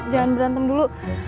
jangan berantem dulu